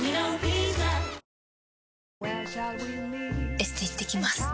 エステ行ってきます。